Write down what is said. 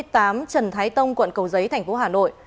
trần thái tông quận cầu giấy thành phố hà nội